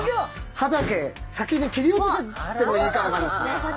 歯だけ先に切り落としてもいいかも分かんないです。